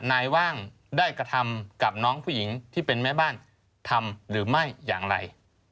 นายว่างได้กระทำกับน้องผู้หญิงที่เป็นแม่บ้านทำหรือไม่อย่างไร